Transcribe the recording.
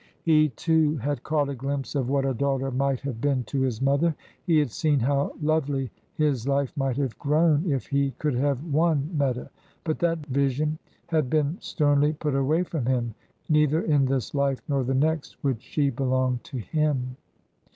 He, too, had caught a glimpse of what a daughter might have been to his mother. He had seen how lovely his life might have grown if he could have won Meta. But that vision had been sternly put away from him; neither in this life nor the next would she belong to him.